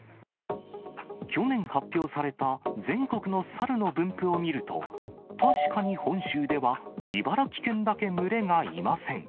去年発表された全国の猿の分布を見ると、確かに本州では茨城県だけ群れがいません。